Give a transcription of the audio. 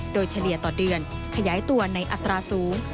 โดยเฉลี่ยต่อเดือนขยายตัวในอัตราสูง